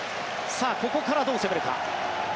ここからどう攻めるか。